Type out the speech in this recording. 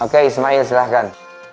oke ismail silahkan